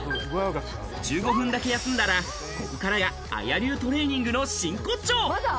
１５分だけ休んだら、ここからがＡＹＡ流トレーニングの真骨頂。